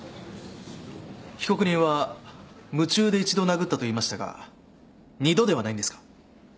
被告人は夢中で１度殴ったと言いましたが２度ではないんですか。